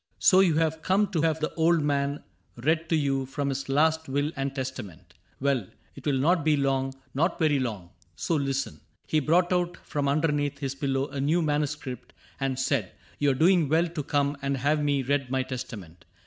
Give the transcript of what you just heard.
'^ So you have come to have the old man read To vou from his last will and testament : Well, it will not be long — not very long — So listen." He brought out from underneath His pillow a new manuscript, and said, ^^ You are doing well to come and have me read My testament.